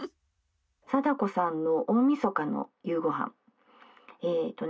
「貞子さんの大みそかの夕ごはんえっとね